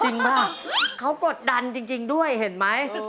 ป่ะเขากดดันจริงด้วยเห็นไหม